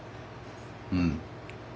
うん。